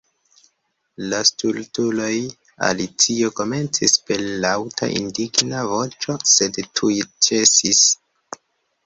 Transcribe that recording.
"La stultuloj!" Alicio komencis per laŭta indigna voĉo, sed tuj ĉesis.